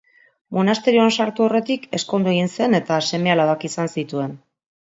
Monasterioan sartu aurretik, ezkondu egin zen eta seme-alabak izan zituen.